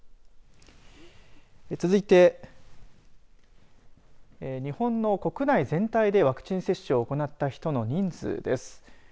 続いて、日本の国内全体でワクチン接種を行った人の人数です。